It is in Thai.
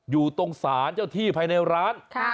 อยู่ตรงศาลเจ้าที่ภายในร้าน